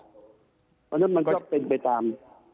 เพราะฉะนั้นมันก็เป็นไปตาม